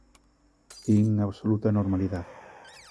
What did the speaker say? Vin absoluta normalidade.